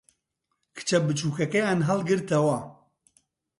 کچە بچووکەکەیان ھەڵگرتەوە.